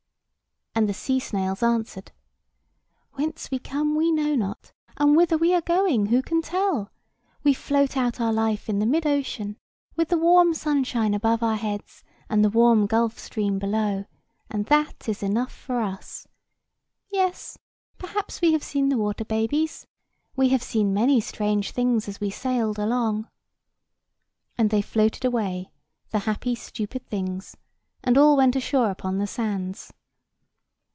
And the sea snails answered, "Whence we come we know not; and whither we are going, who can tell? We float out our life in the mid ocean, with the warm sunshine above our heads, and the warm gulf stream below; and that is enough for us. Yes; perhaps we have seen the water babies. We have seen many strange things as we sailed along." And they floated away, the happy stupid things, and all went ashore upon the sands.